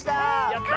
やった！